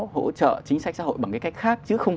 hỗ trợ chính sách xã hội bằng cái cách khác chứ không